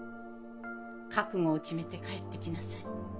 「覚悟を決めて帰ってきなさい。